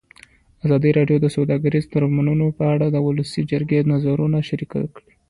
ازادي راډیو د سوداګریز تړونونه په اړه د ولسي جرګې نظرونه شریک کړي.